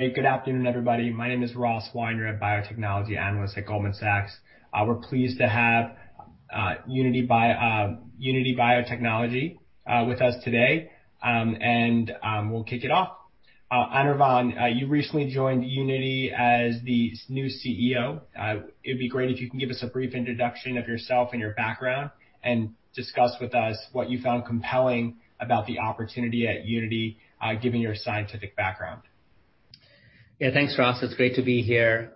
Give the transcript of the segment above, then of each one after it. Hey, good afternoon, everybody. My name is Ross Weinreb, a Biotechnology Analyst at Goldman Sachs. We're pleased to have Unity Biotechnology with us today. We'll kick it off. Anirvan, you recently joined Unity as the new CEO. It'd be great if you can give us a brief introduction of yourself and your background and discuss with us what you found compelling about the opportunity at Unity, given your scientific background. Yeah. Thanks, Ross. It's great to be here.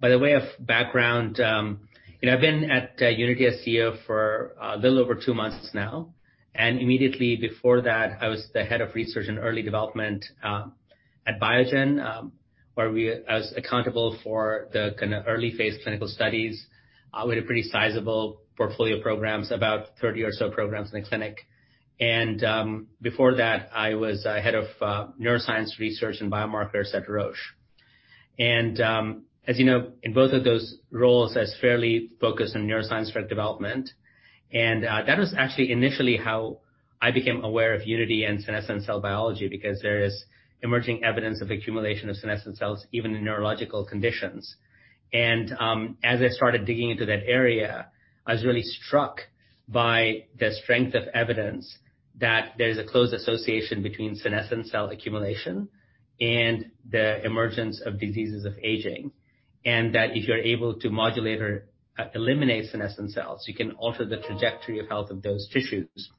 By the way of background, I've been at Unity as CEO for a little over two months now. Immediately before that, I was the Head of Research and Early Development at Biogen, where I was accountable for the early phase clinical studies with a pretty sizable portfolio programs, about 30 or so programs in the clinic. Before that, I was Head of Neuroscience Research and Biomarkers at Roche. As you know, in both of those roles, I was fairly focused on neuroscience drug development. That was actually initially how I became aware of Unity and senescent cell biology because there is emerging evidence of accumulation of senescent cells even in neurological conditions. As I started digging into that area, I was really struck by the strength of evidence that there's a close association between senescent cell accumulation and the emergence of diseases of aging, and that if you're able to modulate or eliminate senescent cells, you can alter the trajectory of health of those tissues.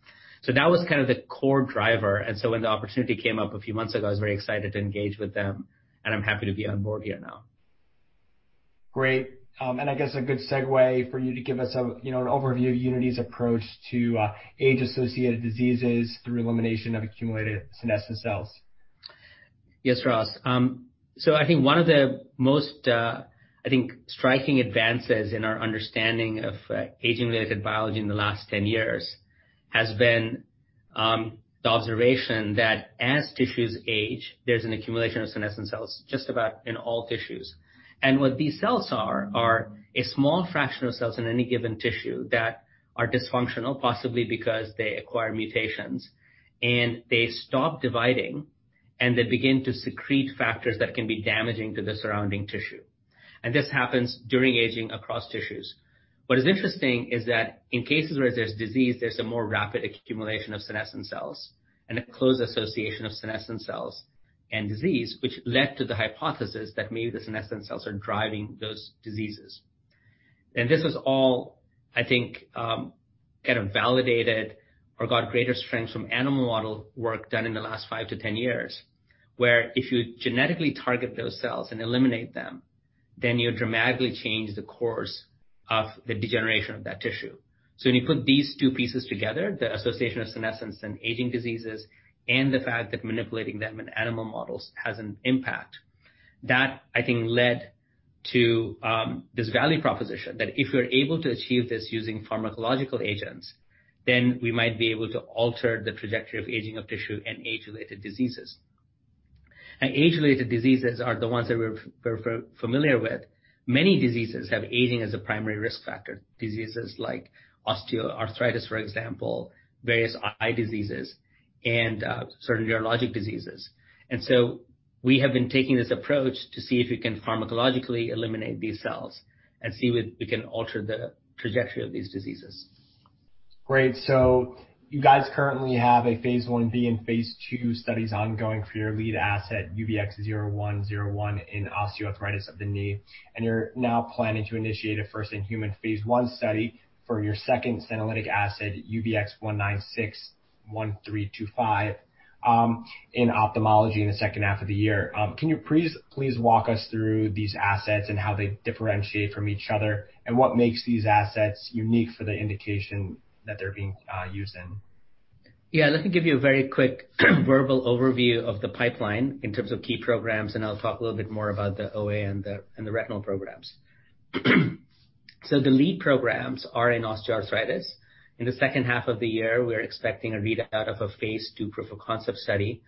That was kind of the core driver. When the opportunity came up a few months ago, I was very excited to engage with them, and I'm happy to be on board here now. Great. I guess a good segue for you to give us an overview of Unity's approach to age-associated diseases through elimination of accumulated senescent cells? Yes, Ross. I think one of the most, I think, striking advances in our understanding of aging-related biology in the last 10 years has been the observation that as tissues age, there's an accumulation of senescent cells just about in all tissues. What these cells are a small fraction of cells in any given tissue that are dysfunctional, possibly because they acquire mutations, and they stop dividing, and they begin to secrete factors that can be damaging to the surrounding tissue. This happens during aging across tissues. What is interesting is that in cases where there's disease, there's a more rapid accumulation of senescent cells and a close association of senescent cells and disease, which led to the hypothesis that maybe the senescent cells are driving those diseases. This was all, I think, kind of validated or got greater strength from animal model work done in the last 5-10 years, where if you genetically target those cells and eliminate them, then you dramatically change the course of the degeneration of that tissue. When you put these two pieces together, the association of senescence and aging diseases and the fact that manipulating them in animal models has an impact. That, I think, led to this value proposition, that if we're able to achieve this using pharmacological agents, then we might be able to alter the trajectory of aging of tissue and age-related diseases. Age-related diseases are the ones that we're familiar with. Many diseases have aging as a primary risk factor. Diseases like osteoarthritis, for example, various eye diseases, and certain neurologic diseases. We have been taking this approach to see if we can pharmacologically eliminate these cells and see if we can alter the trajectory of these diseases. Great. You guys currently have a phase I-B and phase II studies ongoing for your lead asset, UBX0101, in osteoarthritis of the knee, and you're now planning to initiate a first-in-human phase I study for your second senolytic asset, UBX1325, in ophthalmology in the second half of the year. Can you please walk us through these assets and how they differentiate from each other and what makes these assets unique for the indication that they're being used in? Yeah. Let me give you a very quick verbal overview of the pipeline in terms of key programs, and I'll talk a little bit more about the OA and the retinal programs. The lead programs are in osteoarthritis. In the second half of the year, we're expecting a readout of a phase II proof of concept study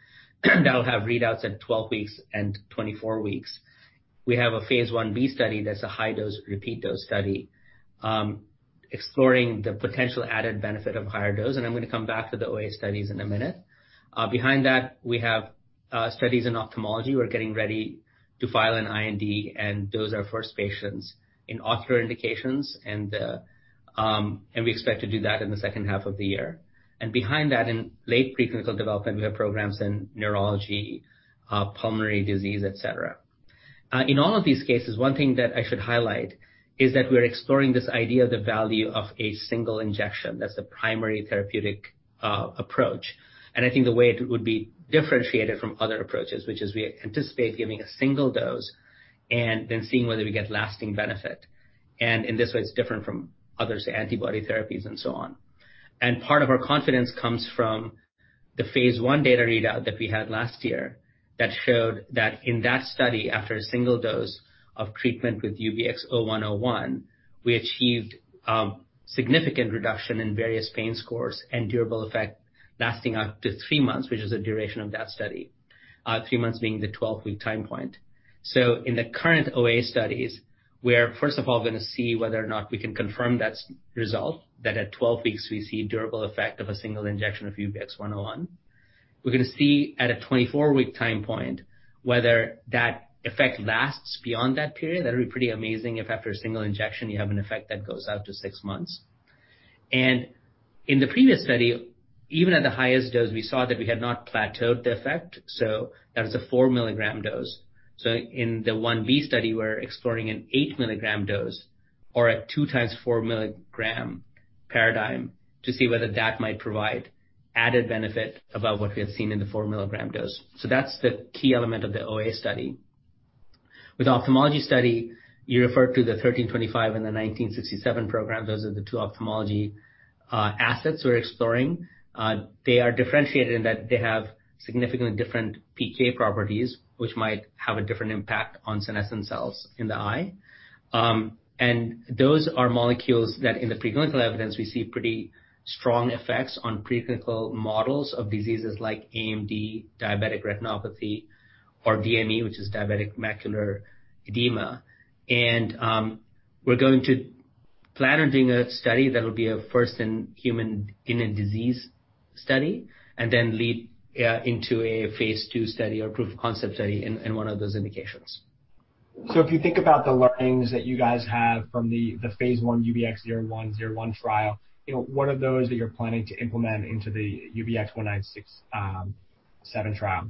that will have readouts at 12 weeks and 24 weeks. We have a phase I-B study that's a high-dose repeat dose study, exploring the potential added benefit of higher dose, and I'm going to come back to the OA studies in a minute. Behind that, we have studies in ophthalmology. We're getting ready to file an IND, and those are first patients in ocular indications, and we expect to do that in the second half of the year. Behind that, in late preclinical development, we have programs in neurology, pulmonary disease, et cetera. In all of these cases, one thing that I should highlight is that we're exploring this idea of the value of a single injection. That's the primary therapeutic approach. I think the way it would be differentiated from other approaches, which is we anticipate giving a single dose and then seeing whether we get lasting benefit. In this way, it's different from other, say, antibody therapies and so on. Part of our confidence comes from the phase I data readout that we had last year that showed that in that study, after a single dose of treatment with UBX0101, we achieved significant reduction in various pain scores and durable effect lasting up to three months, which is the duration of that study, three months being the 12-week time point. In the current OA studies, we are first of all going to see whether or not we can confirm that result, that at 12 weeks we see durable effect of a single injection of UBX0101. We're going to see at a 24-week time point, whether that effect lasts beyond that period. That'll be pretty amazing if after a single injection you have an effect that goes out to six months. In the previous study, even at the highest dose, we saw that we had not plateaued the effect, so that is a 4 mg dose. In the phase I-B study, we're exploring an 8 mg dose or a two times 4 mg paradigm to see whether that might provide added benefit above what we had seen in the 4 mg dose. That's the key element of the OA study. With ophthalmology study, you referred to the UBX1325 and the UBX1967 program. Those are the two ophthalmology assets we're exploring. They are differentiated in that they have significantly different PK properties, which might have a different impact on senescent cells in the eye. Those are molecules that in the preclinical evidence, we see pretty strong effects on preclinical models of diseases like AMD, diabetic retinopathy, or DME, which is diabetic macular edema. We're going to plan on doing a study that will be a first in human, in a disease study and then lead into a phase II study or proof of concept study in one of those indications. If you think about the learnings that you guys have from the phase I UBX0101 trial, what are those that you're planning to implement into the UBX1967 trial?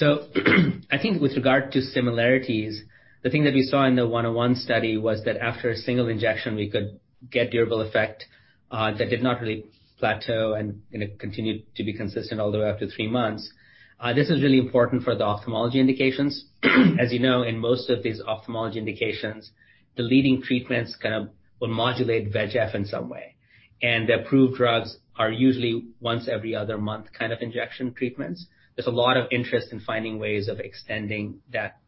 I think with regard to similarities, the thing that we saw in the 101 study was that after a single injection, we could get durable effect, that did not really plateau and continued to be consistent all the way up to three months. This is really important for the ophthalmology indications. You know, in most of these ophthalmology indications, the leading treatments kind of will modulate VEGF in some way, and the approved drugs are usually once every other month kind of injection treatments. There's a lot of interest in finding ways of extending that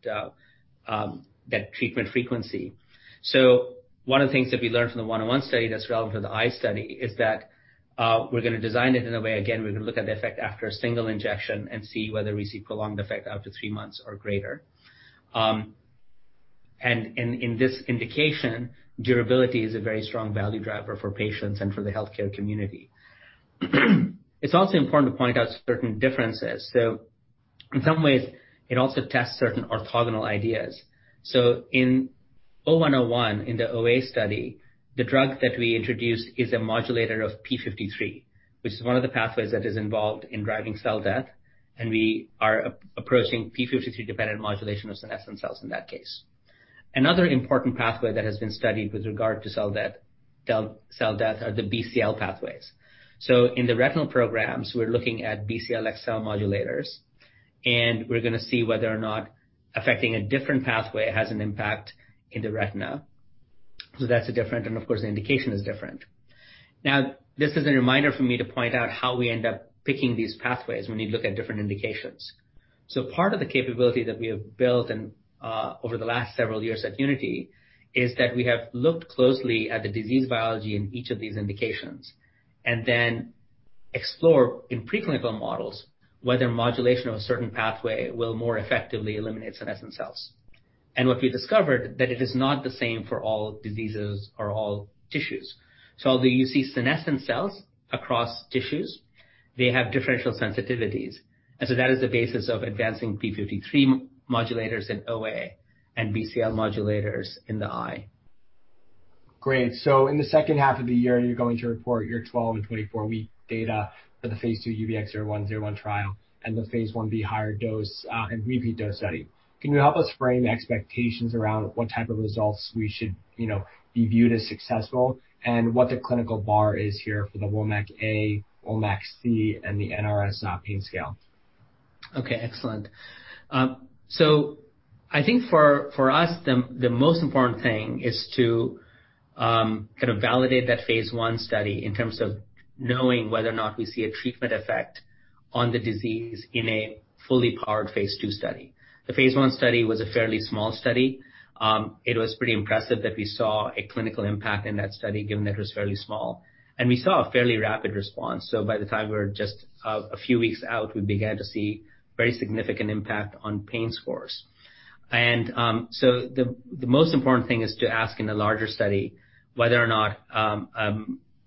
treatment frequency. One of the things that we learned from the 101 study that's relevant to the eye study is that we're going to design it in a way, again, we're going to look at the effect after a single injection and see whether we see prolonged effect out to three months or greater. In this indication, durability is a very strong value driver for patients and for the healthcare community. It's also important to point out certain differences. In some ways, it also tests certain orthogonal ideas. In 0101, in the OA study, the drug that we introduced is a modulator of p53, which is one of the pathways that is involved in driving cell death, and we are approaching p53 dependent modulation of senescent cells in that case. Another important pathway that has been studied with regard to cell death are the BCL pathways. In the retinal programs, we're looking at BCL-XL modulators, and we're going to see whether or not affecting a different pathway has an impact in the retina. That's different and of course, the indication is different. Now, this is a reminder for me to point out how we end up picking these pathways when we look at different indications. Part of the capability that we have built over the last several years at Unity is that we have looked closely at the disease biology in each of these indications and then explore in preclinical models whether modulation of a certain pathway will more effectively eliminate senescent cells. What we discovered, that it is not the same for all diseases or all tissues. Although you see senescent cells across tissues, they have differential sensitivities, and so that is the basis of advancing p53 modulators in OA and BCL modulators in the eye. Great. In the second half of the year, you're going to report your 12 and 24-week data for the phase II UBX0101 trial and the phase I-B higher dose and repeat dose study. Can you help us frame expectations around what type of results we should be viewed as successful and what the clinical bar is here for the WOMAC A, WOMAC C, and the NRS pain scale? Okay, excellent. I think for us, the most important thing is to kind of validate that phase I study in terms of knowing whether or not we see a treatment effect on the disease in a fully powered phase II study. The phase I study was a fairly small study. It was pretty impressive that we saw a clinical impact in that study, given that it was fairly small. We saw a fairly rapid response. By the time we were just a few weeks out, we began to see very significant impact on pain scores. The most important thing is to ask in a larger study whether or not a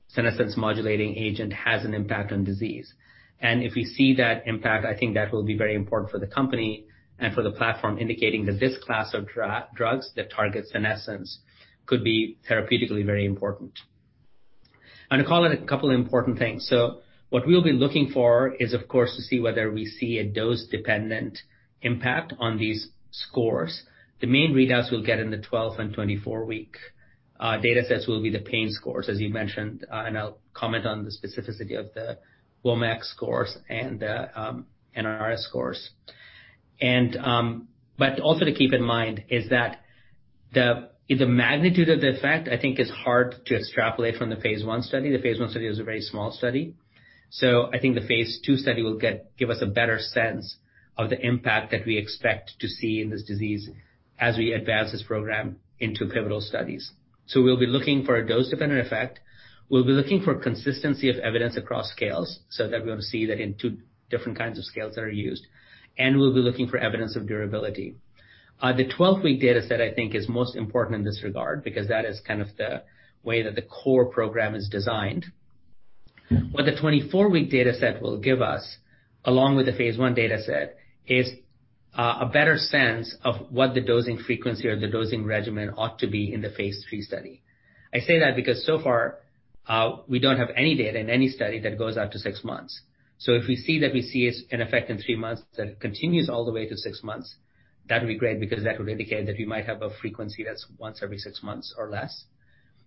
senescence modulating agent has an impact on disease. If we see that impact, I think that will be very important for the company and for the platform, indicating that this class of drugs that target senescence could be therapeutically very important. To call it a couple important things. What we'll be looking for is, of course, to see whether we see a dose-dependent impact on these scores. The main readouts we'll get in the 12 and 24 week datasets will be the pain scores, as you mentioned, and I'll comment on the specificity of the WOMAC scores and the NRS scores. Also to keep in mind is that the magnitude of the effect, I think, is hard to extrapolate from the phase I study. The phase I study is a very small study. I think the phase II study will give us a better sense of the impact that we expect to see in this disease as we advance this program into pivotal studies. We'll be looking for a dose-dependent effect. We'll be looking for consistency of evidence across scales, so that we're going to see that in two different kinds of scales that are used, and we'll be looking for evidence of durability. The 12-week data set, I think, is most important in this regard because that is kind of the way that the core program is designed. What the 24-week data set will give us, along with the phase I data set, is a better sense of what the dosing frequency or the dosing regimen ought to be in the phase III study. I say that because so far, we don't have any data in any study that goes out to six months. If we see that we see an effect in three months that continues all the way to six months, that'd be great, because that would indicate that we might have a frequency that's once every six months or less.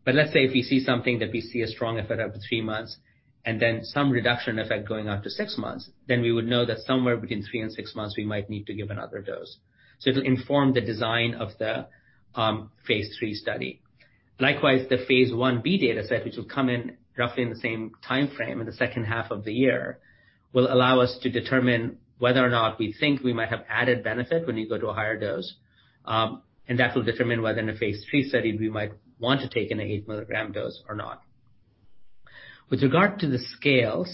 Let's say if we see something that we see a strong effect after three months and then some reduction effect going out to six months, then we would know that somewhere between three and six months, we might need to give another dose. It'll inform the design of the phase III study. Likewise, the phase I-B data set, which will come in roughly in the same timeframe in the second half of the year, will allow us to determine whether or not we think we might have added benefit when you go to a higher dose. That will determine whether in the phase III study, we might want to take an 8 mg dose or not. With regard to the scales,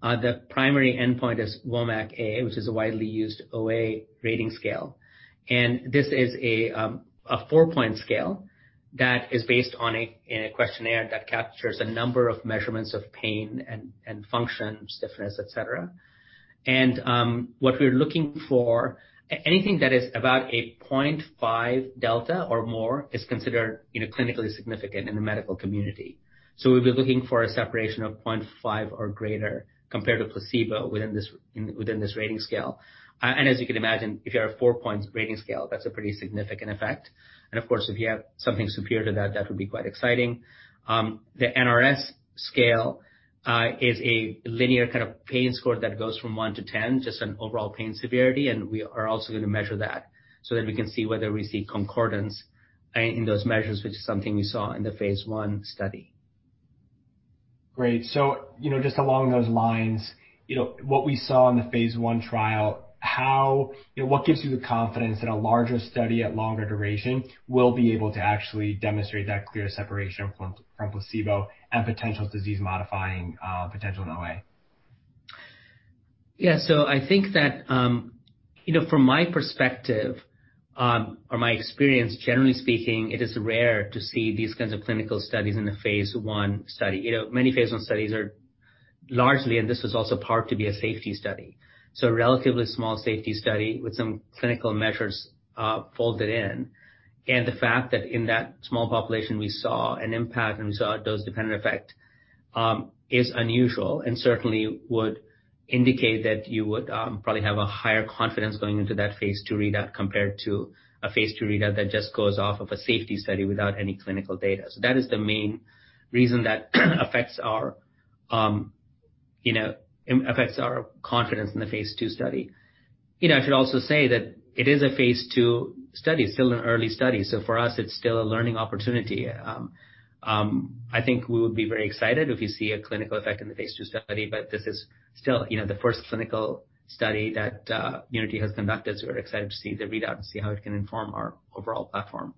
the primary endpoint is WOMAC A, which is a widely used OA rating scale. This is a four-point scale that is based on a questionnaire that captures a number of measurements of pain and function, stiffness, et cetera. What we're looking for, anything that is about a 0.5 delta or more is considered clinically significant in the medical community. We'll be looking for a separation of 0.5 or greater compared to placebo within this rating scale. As you can imagine, if you have a four-point rating scale, that's a pretty significant effect. Of course, if you have something superior to that would be quite exciting. The NRS scale is a linear pain score that goes from 1-10, just an overall pain severity, and we are also going to measure that so that we can see whether we see concordance in those measures, which is something we saw in the phase I study. Great. Just along those lines, what we saw in the phase I trial, what gives you the confidence that a larger study at longer duration will be able to actually demonstrate that clear separation from placebo and potential disease modifying potential in OA? I think that from my perspective or my experience, generally speaking, it is rare to see these kinds of clinical studies in a phase I study. Many phase I studies are largely, this is also part to be a safety study. A relatively small safety study with some clinical measures folded in. The fact that in that small population, we saw an impact and we saw a dose-dependent effect, is unusual and certainly would indicate that you would probably have a higher confidence going into that phase II readout compared to a phase II readout that just goes off of a safety study without any clinical data. That is the main reason that affects our confidence in the phase II study. I should also say that it is a phase II study, still an early study. For us, it's still a learning opportunity. I think we would be very excited if we see a clinical effect in the phase II study, but this is still the first clinical study that Unity has conducted, so we're excited to see the readout and see how it can inform our overall platform.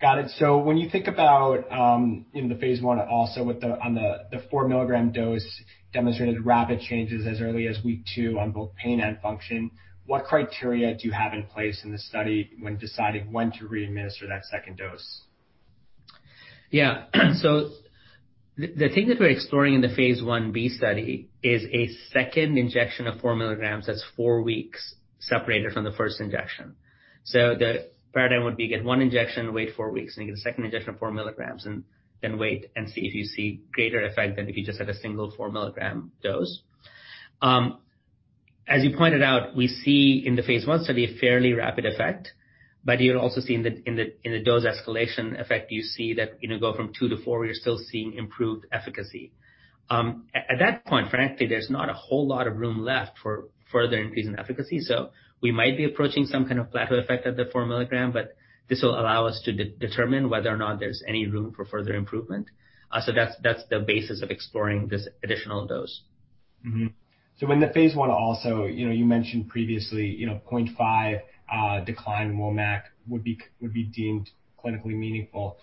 Got it. When you think about in the phase I also on the 4 mg dose demonstrated rapid changes as early as week two on both pain and function, what criteria do you have in place in the study when deciding when to re-administer that second dose? Yeah. The thing that we're exploring in the phase I-B study is a second injection of 4 mg that's four weeks separated from the first injection. The paradigm would be get one injection, wait four weeks, and get a second injection of 4 mg, and then wait and see if you see greater effect than if you just had a single 4 mg dose. As you pointed out, we see in the phase I study a fairly rapid effect, but you'll also see in the dose escalation effect, you see that go from two to four, you're still seeing improved efficacy. At that point, frankly, there's not a whole lot of room left for further increase in efficacy. We might be approaching some kind of plateau effect at the 4 mg, but this will allow us to determine whether or not there's any room for further improvement. That's the basis of exploring this additional dose. In the phase I also, you mentioned previously, 0.5 decline in WOMAC would be deemed clinically meaningful.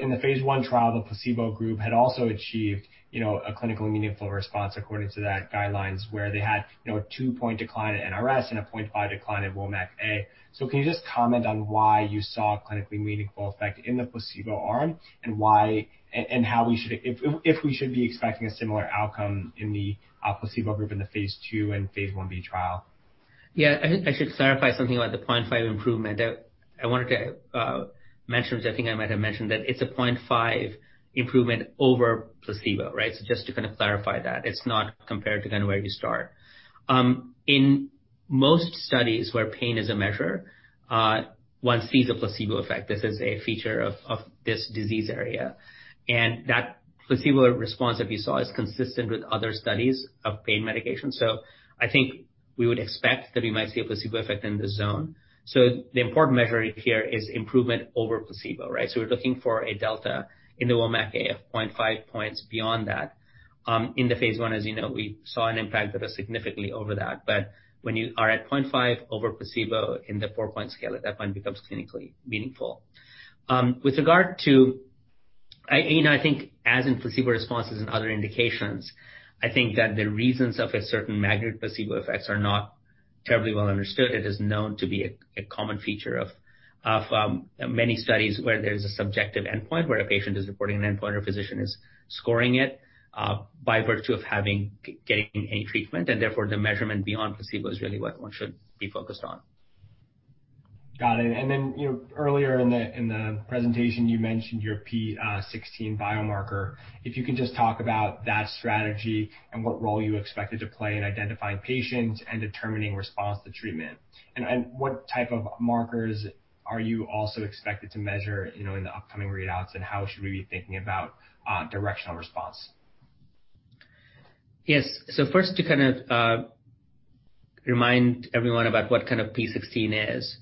In the phase I trial, the placebo group had also achieved a clinically meaningful response according to that guidelines, where they had a two point decline at NRS and a 0.5 decline at WOMAC A. Can you just comment on why you saw a clinically meaningful effect in the placebo arm, and if we should be expecting a similar outcome in the placebo group in the phase II and phase I-B trial? Yeah. I think I should clarify something about the 0.5 improvement. I wanted to mention, because I think I might have mentioned that it's a 0.5 improvement over placebo, right? Just to kind of clarify that. It's not compared to where you start. In most studies where pain is a measure, one sees a placebo effect. This is a feature of this disease area. That placebo response that we saw is consistent with other studies of pain medication. I think we would expect that we might see a placebo effect in this zone. The important measure here is improvement over placebo, right? We're looking for a delta in the WOMAC A of 0.5 points beyond that. In the phase I, as you know, we saw an impact that was significantly over that. When you are at 0.5 over placebo in the four point scale, at that point becomes clinically meaningful. I think as in placebo responses in other indications, I think that the reasons of a certain magnitude placebo effects are not terribly well understood. It is known to be a common feature of many studies where there's a subjective endpoint, where a patient is reporting an endpoint or a physician is scoring it, by virtue of getting any treatment, and therefore, the measurement beyond placebo is really what one should be focused on. Got it. Earlier in the presentation, you mentioned your p16 biomarker. If you can just talk about that strategy and what role you expect it to play in identifying patients and determining response to treatment. What type of markers are you also expected to measure in the upcoming readouts, and how should we be thinking about directional response? Yes. First, to kind of remind everyone about what p16 is.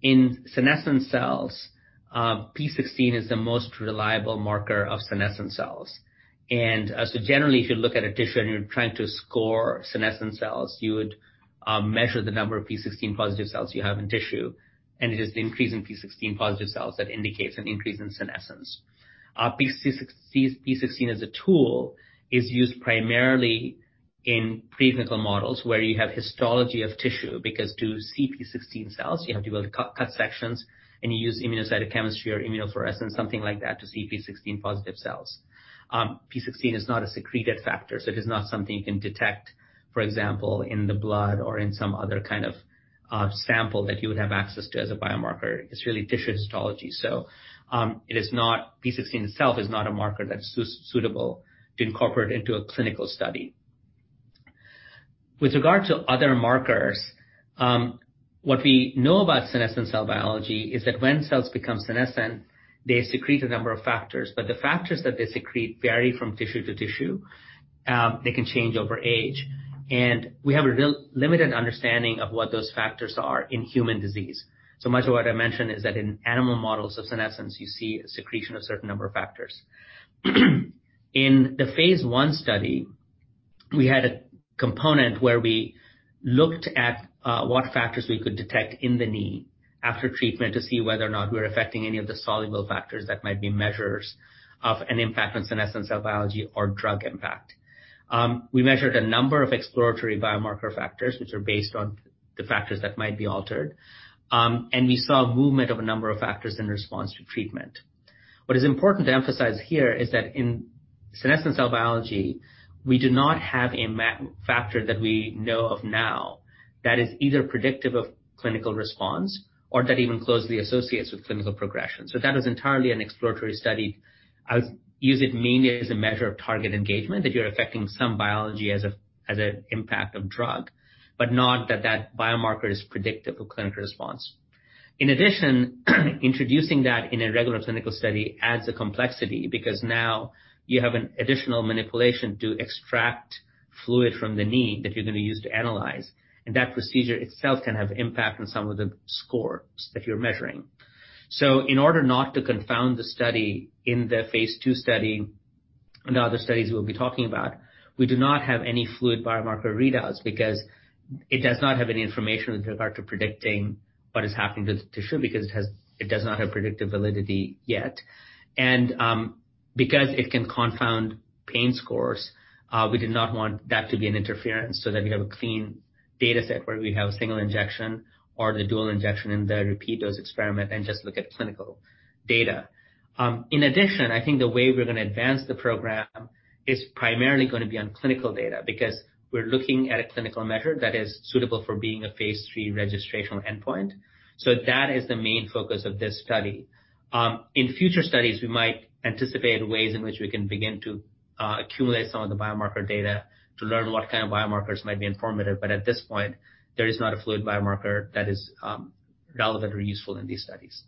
In senescent cells, p16 is the most reliable marker of senescent cells. Generally, if you look at a tissue and you're trying to score senescent cells, you would measure the number of p16 positive cells you have in tissue, and it is the increase in p16 positive cells that indicates an increase in senescence. P16 as a tool is used primarily in preclinical models where you have histology of tissue, because to see p16 cells, you have to be able to cut sections, and you use immunocytochemistry or immunofluorescence, something like that, to see p16 positive cells. P16 is not a secreted factor, so it is not something you can detect, for example, in the blood or in some other kind of sample that you would have access to as a biomarker. It's really tissue histology. P16 itself is not a marker that's suitable to incorporate into a clinical study. With regard to other markers, what we know about senescent cell biology is that when cells become senescent, they secrete a number of factors, but the factors that they secrete vary from tissue to tissue. They can change over age. We have a limited understanding of what those factors are in human disease. Much of what I mentioned is that in animal models of senescence, you see secretion of a certain number of factors. In the phase I study, we had a component where we looked at what factors we could detect in the knee after treatment to see whether or not we're affecting any of the soluble factors that might be measures of an impact on senescent cell biology or drug impact. We measured a number of exploratory biomarker factors, which are based on the factors that might be altered. We saw movement of a number of factors in response to treatment. What is important to emphasize here is that in senescent cell biology, we do not have a factor that we know of now that is either predictive of clinical response or that even closely associates with clinical progression. That is entirely an exploratory study. I would use it mainly as a measure of target engagement, that you're affecting some biology as an impact of drug, but not that that biomarker is predictive of clinical response. In addition, introducing that in a regular clinical study adds a complexity because now you have an additional manipulation to extract fluid from the knee that you're going to use to analyze, and that procedure itself can have impact on some of the scores that you're measuring. In order not to confound the study in the phase II study and the other studies we'll be talking about, we do not have any fluid biomarker readouts because it does not have any information with regard to predicting what is happening to the tissue, because it does not have predictive validity yet. Because it can confound pain scores, we did not want that to be an interference so that we have a clean data set where we have a single injection or the dual injection in the repeat dose experiment and just look at clinical data. In addition, I think the way we're going to advance the program is primarily going to be on clinical data because we're looking at a clinical measure that is suitable for being a phase III registrational endpoint. That is the main focus of this study. In future studies, we might anticipate ways in which we can begin to accumulate some of the biomarker data to learn what kind of biomarkers might be informative. At this point, there is not a fluid biomarker that is relevant or useful in these studies.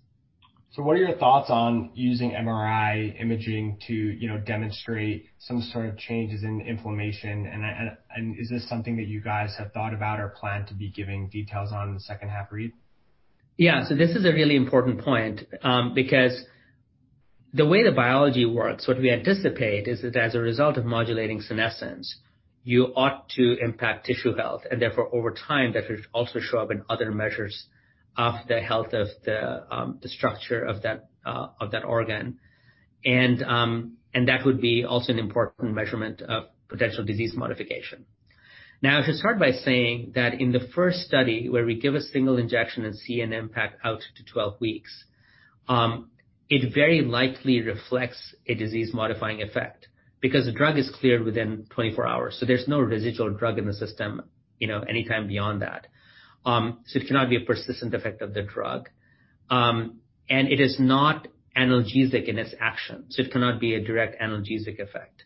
What are your thoughts on using MRI imaging to demonstrate some sort of changes in inflammation? Is this something that you guys have thought about or plan to be giving details on in the second half read? Yeah. This is a really important point, because the way the biology works, what we anticipate is that as a result of modulating senescence, you ought to impact tissue health, and therefore, over time, that should also show up in other measures of the health of the structure of that organ. That would be also an important measurement of potential disease modification. Now, I should start by saying that in the first study where we give a single injection and see an impact out to 12 weeks, it very likely reflects a disease-modifying effect because the drug is cleared within 24 hours. There's no residual drug in the system any time beyond that. It cannot be a persistent effect of the drug. It is not analgesic in its action, so it cannot be a direct analgesic effect.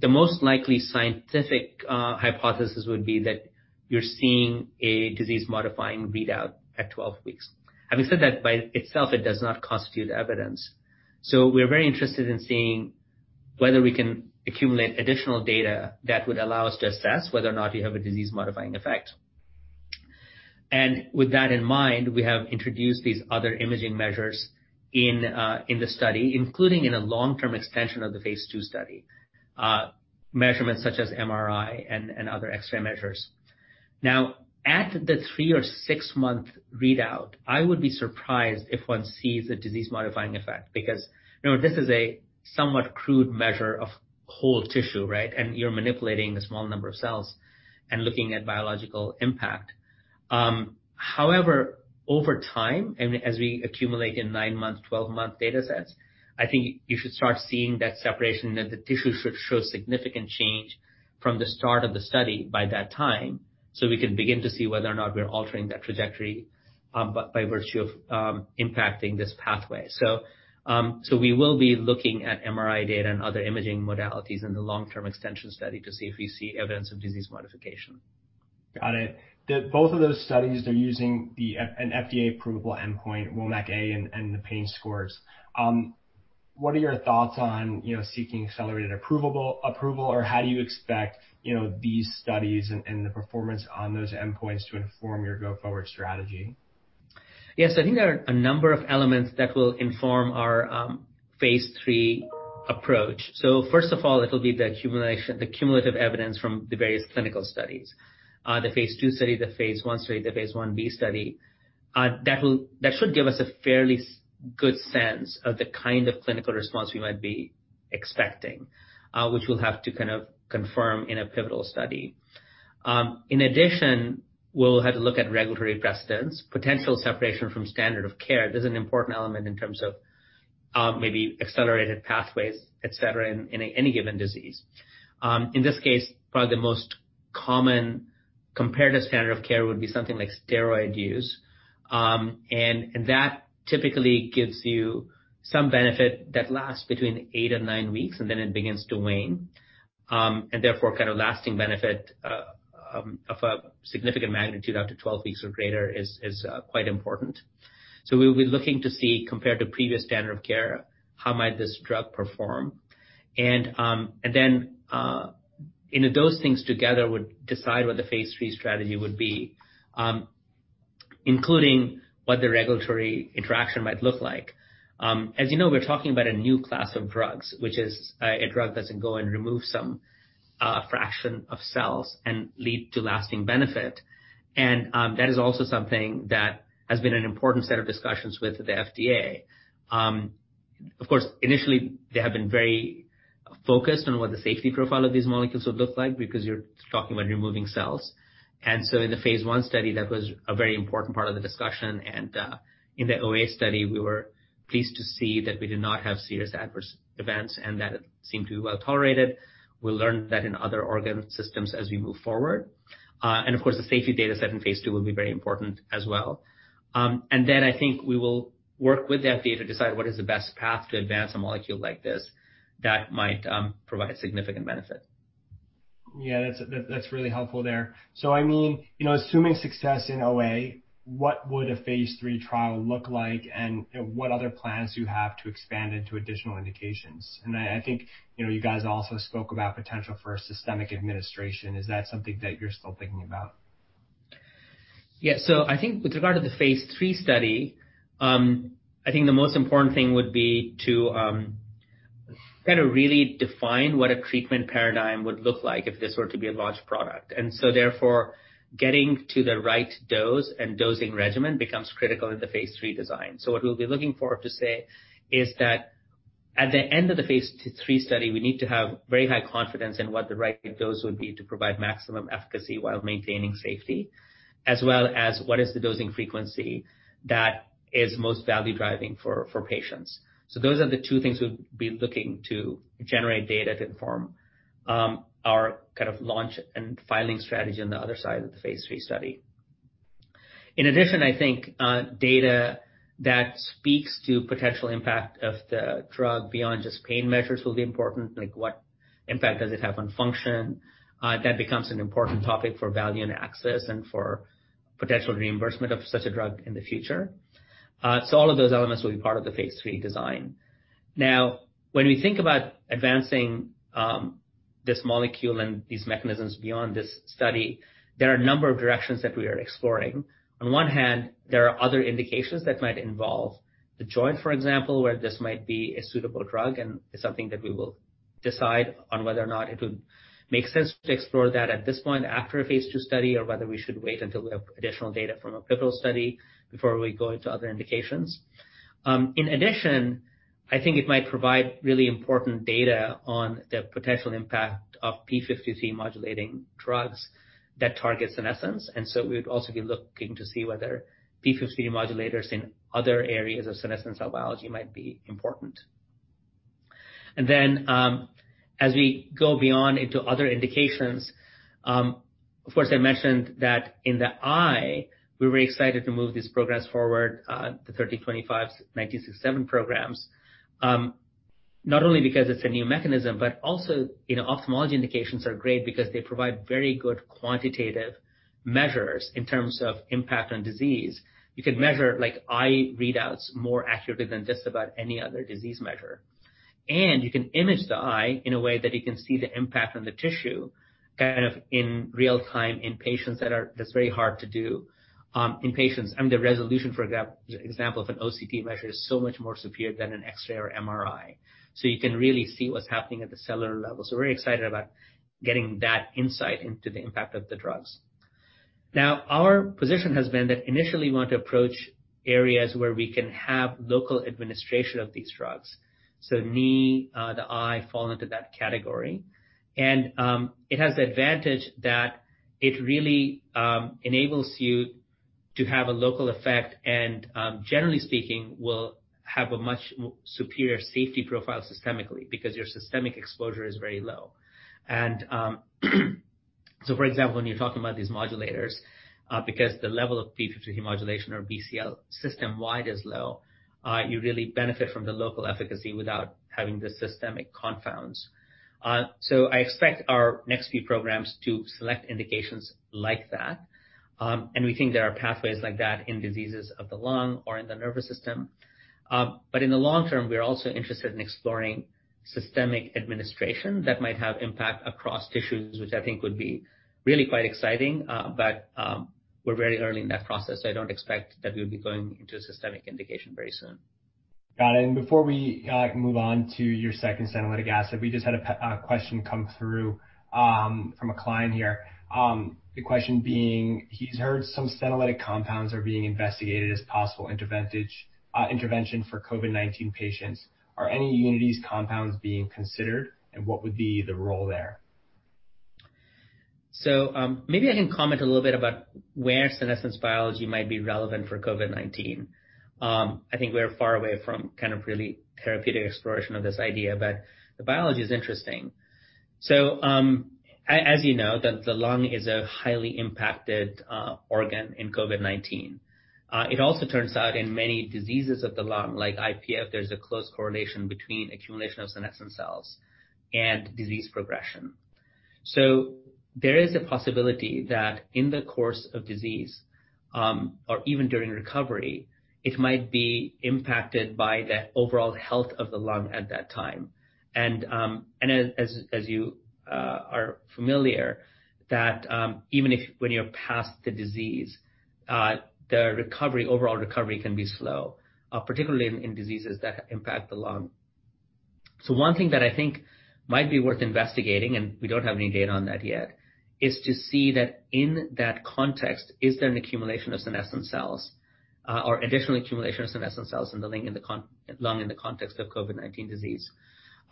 The most likely scientific hypothesis would be that you're seeing a disease-modifying readout at 12 weeks. Having said that, by itself, it does not constitute evidence. We're very interested in seeing whether we can accumulate additional data that would allow us to assess whether or not you have a disease-modifying effect. With that in mind, we have introduced these other imaging measures in the study, including in a long-term extension of the phase II study, measurements such as MRI and other X-ray measures. At the three or six-month readout, I would be surprised if one sees a disease-modifying effect because this is a somewhat crude measure of whole tissue. You're manipulating a small number of cells and looking at biological impact. However, over time, and as we accumulate in nine months, 12 months data sets, I think you should start seeing that separation, that the tissue should show significant change from the start of the study by that time, so we can begin to see whether or not we're altering that trajectory by virtue of impacting this pathway. We will be looking at MRI data and other imaging modalities in the long-term extension study to see if we see evidence of disease modification. Got it. Both of those studies are using an FDA approvable endpoint, WOMAC A and the pain scores. What are your thoughts on seeking accelerated approval, or how do you expect these studies and the performance on those endpoints to inform your go-forward strategy? Yes, I think there are a number of elements that will inform our phase III approach. First of all, it'll be the cumulative evidence from the various clinical studies, the phase II study, the phase I study, the phase I-B study. That should give us a fairly good sense of the kind of clinical response we might be expecting, which we'll have to confirm in a pivotal study. In addition, we'll have to look at regulatory precedence, potential separation from standard of care. This is an important element in terms of maybe accelerated pathways, et cetera, in any given disease. In this case, probably the most common comparative standard of care would be something like steroid use. That typically gives you some benefit that lasts between eight and nine weeks, and then it begins to wane. Therefore, lasting benefit of a significant magnitude out to 12 weeks or greater is quite important. We'll be looking to see, compared to previous standard of care, how might this drug perform. Then those things together would decide what the phase III strategy would be, including what the regulatory interaction might look like. You know, we're talking about a new class of drugs, which is a drug that's going to remove some fraction of cells and lead to lasting benefit. That is also something that has been an important set of discussions with the FDA. Of course, initially, they have been very focused on what the safety profile of these molecules would look like because you're talking about removing cells. So in the phase I study, that was a very important part of the discussion. In the OA study, we were pleased to see that we did not have serious adverse events and that it seemed to be well-tolerated. We'll learn that in other organ systems as we move forward. Of course, the safety data set in phase II will be very important as well. Then I think we will work with the FDA to decide what is the best path to advance a molecule like this that might provide significant benefit. Yeah, that's really helpful there. Assuming success in OA, what would a phase III trial look like, and what other plans do you have to expand into additional indications? I think you guys also spoke about potential for a systemic administration. Is that something that you're still thinking about? Yeah. I think with regard to the phase III study, I think the most important thing would be to really define what a treatment paradigm would look like if this were to be a large product. Therefore, getting to the right dose and dosing regimen becomes critical in the phase III design. What we'll be looking for to say is that at the end of the phase III study, we need to have very high confidence in what the right dose would be to provide maximum efficacy while maintaining safety, as well as what is the dosing frequency that is most value-driving for patients. Those are the two things we'll be looking to generate data to inform our launch and filing strategy on the other side of the phase III study. In addition, I think data that speaks to potential impact of the drug beyond just pain measures will be important, like what impact does it have on function. That becomes an important topic for value and access and for potential reimbursement of such a drug in the future. All of those elements will be part of the phase III design. When we think about advancing this molecule and these mechanisms beyond this study, there are a number of directions that we are exploring. On one hand, there are other indications that might involve the joint, for example, where this might be a suitable drug, and it's something that we will decide on whether or not it would make sense to explore that at this point after a phase II study or whether we should wait until we have additional data from a pivotal study before we go into other indications. In addition, I think it might provide really important data on the potential impact of p53 modulating drugs that target senescence. We would also be looking to see whether p53 modulators in other areas of senescent cell biology might be important. Then, as we go beyond into other indications, of course, I mentioned that in the eye, we were excited to move these programs forward, the UBX1325, UBX1967 programs, not only because it's a new mechanism, but also ophthalmology indications are great because they provide very good quantitative measures in terms of impact on disease. You can measure eye readouts more accurately than just about any other disease measure. You can image the eye in a way that you can see the impact on the tissue in real-time in patients that's very hard to do in patients. I mean, the resolution, for example, of an OCT measure is so much more superior than an X-ray or MRI. You can really see what's happening at the cellular level. We are very excited about getting that insight into the impact of the drugs. Now, our position has been that initially we want to approach areas where we can have local administration of these drugs. Knee, the eye fall into that category. It has the advantage that it really enables you to have a local effect and, generally speaking, will have a much superior safety profile systemically because your systemic exposure is very low. For example, when you are talking about these modulators, because the level of p53 modulation or BCL system-wide is low, you really benefit from the local efficacy without having the systemic confounds. I expect our next few programs to select indications like that. We think there are pathways like that in diseases of the lung or in the nervous system. In the long term, we are also interested in exploring systemic administration that might have impact across tissues, which I think would be really quite exciting. We're very early in that process. I don't expect that we'll be going into a systemic indication very soon. Got it. Before we move on to your second senolytic asset, we just had a question come through from a client here. The question being, he's heard some senolytic compounds are being investigated as possible intervention for COVID-19 patients. Are any of Unity's compounds being considered? What would be the role there? Maybe I can comment a little bit about where senescence biology might be relevant for COVID-19. I think we're far away from kind of really therapeutic exploration of this idea, but the biology is interesting. As you know, that the lung is a highly impacted organ in COVID-19. It also turns out in many diseases of the lung, like IPF, there's a close correlation between accumulation of senescent cells and disease progression. There is a possibility that in the course of disease, or even during recovery, it might be impacted by the overall health of the lung at that time. As you are familiar that, even if when you're past the disease, the recovery, overall recovery can be slow, particularly in diseases that impact the lung. One thing that I think might be worth investigating, and we don't have any data on that yet, is to see that in that context, is there an accumulation of senescent cells, or additional accumulation of senescent cells in the lung in the context of COVID-19 disease?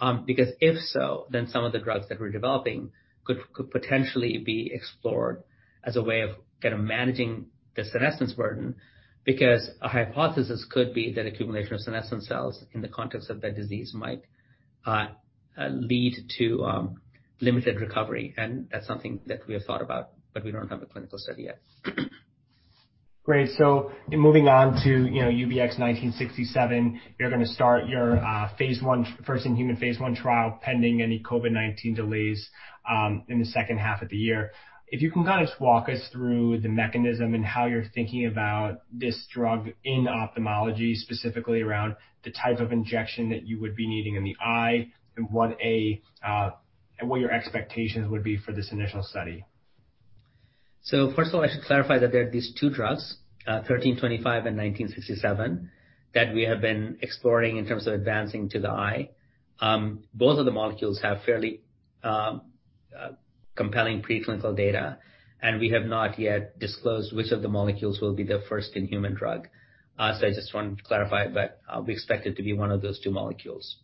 If so, then some of the drugs that we're developing could potentially be explored as a way of kind of managing the senescence burden, because a hypothesis could be that accumulation of senescent cells in the context of that disease might lead to limited recovery. That's something that we have thought about, but we don't have a clinical study yet. Great. In moving on to UBX1967, you're going to start your first-in-human Phase I trial pending any COVID-19 delays in the second half of the year. If you can kind of just walk us through the mechanism and how you're thinking about this drug in ophthalmology, specifically around the type of injection that you would be needing in the eye and what your expectations would be for this initial study? First of all, I should clarify that there are these two drugs, UBX1325 and UBX1967, that we have been exploring in terms of advancing to the eye. Both of the molecules have fairly compelling preclinical data, and we have not yet disclosed which of the molecules will be the first in human drug. I just wanted to clarify, but we expect it to be one of those two molecules.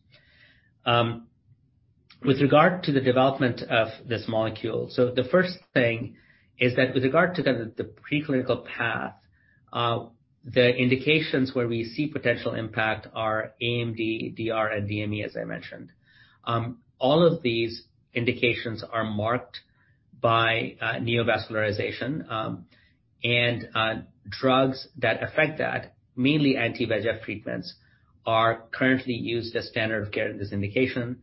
With regard to the development of this molecule, so the first thing is that with regard to the preclinical path, the indications where we see potential impact are AMD, DR, and DME, as I mentioned. All of these indications are marked by neovascularization, and drugs that affect that, mainly anti-VEGF treatments, are currently used as standard of care in this indication.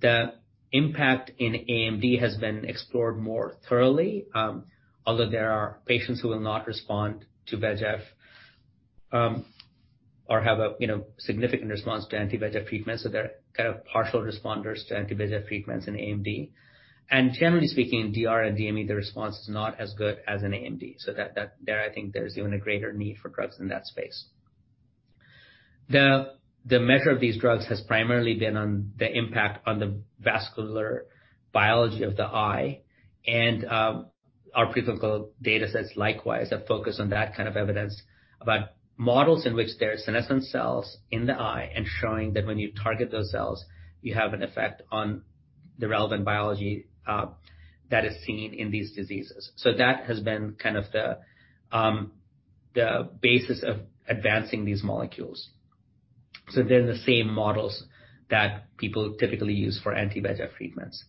The impact in AMD has been explored more thoroughly, although there are patients who will not respond to VEGF, or have a significant response to anti-VEGF treatments. They're kind of partial responders to anti-VEGF treatments in AMD. Generally speaking, in DR and DME, the response is not as good as in AMD. There I think there's even a greater need for drugs in that space. The measure of these drugs has primarily been on the impact on the vascular biology of the eye, and our preclinical data sets likewise have focused on that kind of evidence about models in which there are senescent cells in the eye and showing that when you target those cells, you have an effect on the relevant biology that is seen in these diseases. That has been kind of the basis of advancing these molecules. They're the same models that people typically use for anti-VEGF treatments.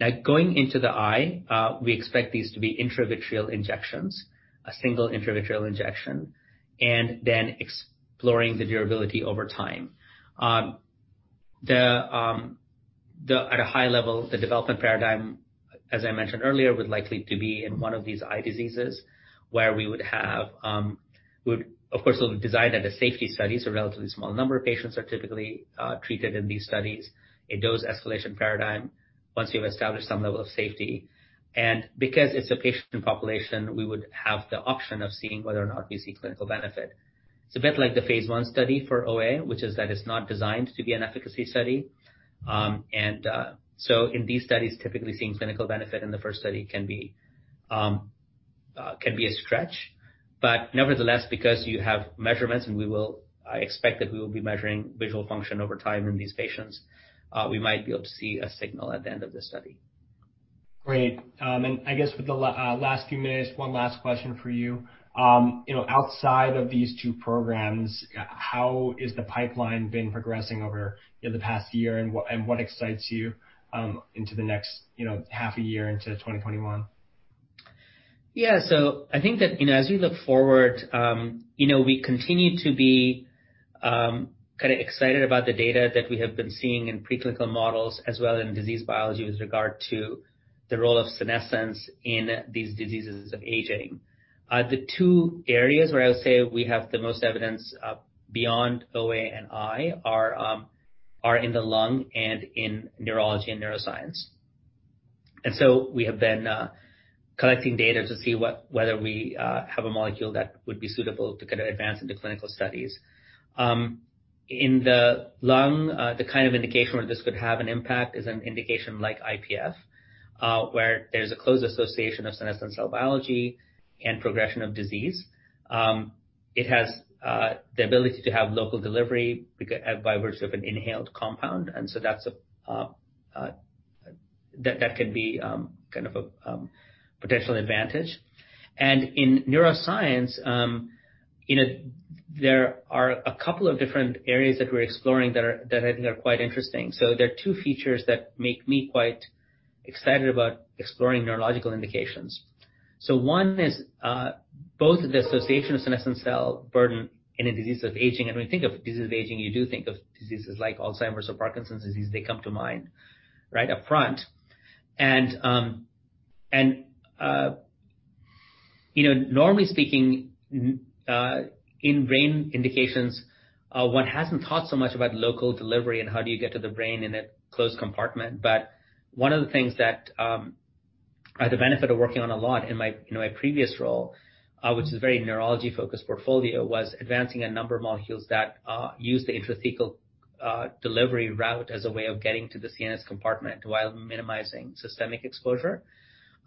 Now, going into the eye, we expect these to be intravitreal injections, a single intravitreal injection, and then exploring the durability over time. At a high level, the development paradigm, as I mentioned earlier, would likely to be in one of these eye diseases. Of course, it will be designed as a safety study, a relatively small number of patients are typically treated in these studies. A dose escalation paradigm once you've established some level of safety. Because it's a patient population, we would have the option of seeing whether or not we see clinical benefit. It's a bit like the phase I study for OA, which is that it's not designed to be an efficacy study. In these studies, typically, seeing clinical benefit in the first study can be a stretch. Nevertheless, because you have measurements, and I expect that we will be measuring visual function over time in these patients, we might be able to see a signal at the end of the study. Great. I guess with the last few minutes, one last question for you. Outside of these two programs, how has the pipeline been progressing over the past year, and what excites you into the next half a year into 2021? Yeah. I think that, as we look forward, we continue to be excited about the data that we have been seeing in preclinical models as well in disease biology with regard to the role of senescence in these diseases of aging. The two areas where I would say we have the most evidence beyond OA and eye are in the lung and in neurology and neuroscience. We have been collecting data to see whether we have a molecule that would be suitable to advance into clinical studies. In the lung, the kind of indication where this could have an impact is an indication like IPF, where there's a close association of senescent cell biology and progression of disease. It has the ability to have local delivery by virtue of an inhaled compound, and so that can be a potential advantage. In neuroscience, there are a couple of different areas that we're exploring that I think are quite interesting. There are two features that make me quite excited about exploring neurological indications. One is both the association of senescent cell burden in a disease of aging. When you think of diseases of aging, you do think of diseases like Alzheimer's or Parkinson's disease. They come to mind right up front. Normally speaking, in brain indications, one hasn't thought so much about local delivery and how do you get to the brain in a closed compartment. One of the things that I had the benefit of working on a lot in my previous role, which is a very neurology-focused portfolio, was advancing a number of molecules that use the intrathecal delivery route as a way of getting to the CNS compartment while minimizing systemic exposure.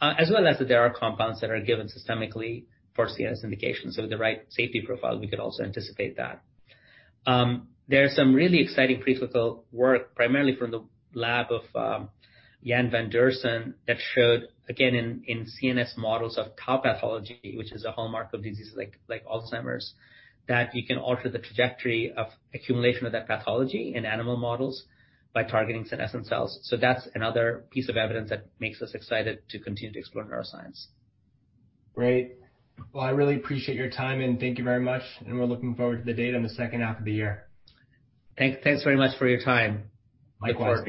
As well as that there are compounds that are given systemically for CNS indications. With the right safety profile, we could also anticipate that. There are some really exciting preclinical work, primarily from the lab of Jan van Deursen, that showed, again, in CNS models of tau pathology, which is a hallmark of diseases like Alzheimer's, that you can alter the trajectory of accumulation of that pathology in animal models by targeting senescent cells. That's another piece of evidence that makes us excited to continue to explore neuroscience. Great. Well, I really appreciate your time. Thank you very much. We're looking forward to the data in the second half of the year. Thanks very much for your time. Likewise.